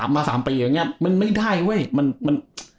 มา๓ปีอย่างเงี้ยมันไม่ได้เว้ย